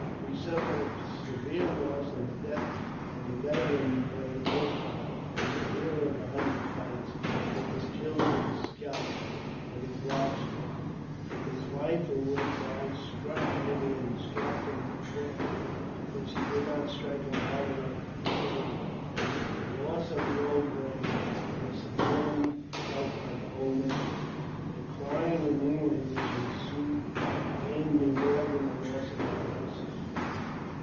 We suffered a severe loss in the death of the veteran brave Eed Child, the hero of a hundred fights, who was killed and scalped at his lodge door. His wife, who was by, struck the Indian who scalped him with a club, but she did not strike .| him hard enough to disable him. The loss of the old brave; was severely felt by the whole nation. The crying and mourn ing which ensued pained me more than the loss of our horses.